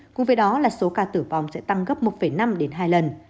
cùng với đó là số ca tử vong sẽ tăng gấp một năm đến hai lần